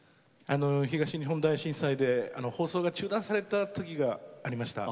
東日本大震災で放送が中断された時がありました。